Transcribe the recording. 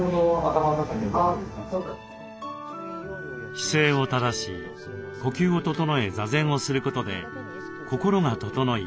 姿勢を正し呼吸を整え座禅をすることで心が整い